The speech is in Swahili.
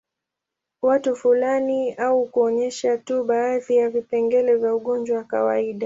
Watu fulani au kuonyesha tu baadhi ya vipengele vya ugonjwa wa kawaida